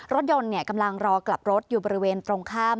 รถยนต์กำลังรอกลับรถอยู่บริเวณตรงข้าม